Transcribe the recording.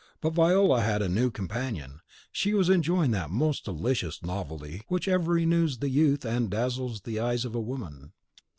But Viola had a new companion; she was enjoying that most delicious novelty which ever renews the youth and dazzles the eyes of woman.